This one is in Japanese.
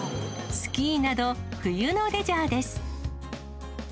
スキーなど、冬のレジャーです。